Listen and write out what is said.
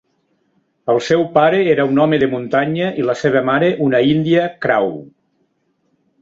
El seu pare era un home de muntanya i la seva mare una índia crow.